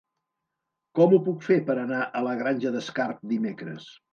Com ho puc fer per anar a la Granja d'Escarp dimecres?